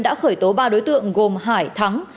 đã khởi tố ba đối tượng gồm hải thắng